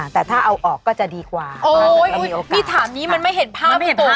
แต่ถ้าเอาออกก็จะดีกว่าโอ้ยนี่ถามนี้มันไม่เห็นภาพมันไม่เห็นภาพเนอะค่ะ